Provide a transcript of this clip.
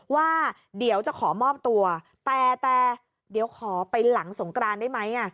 ว่าเดี๋ยวจะขอมอบตัวแต่แต่เดี๋ยวขอไปหลังสงกรานได้ไหม